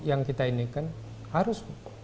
yang kita indikan harus